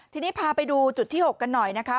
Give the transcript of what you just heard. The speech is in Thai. ทีนี้พาไปดูจุดที่๖กันหน่อยนะคะ